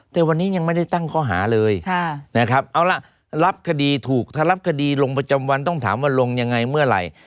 แต่วันนี้ยังไม่ได้ตั้งข้อหาเลยนะครับเอาล่ะรับคดีถูกถ้ารับคดีลงประจำวันต้องถามว่าลงยังไงเมื่อไหร่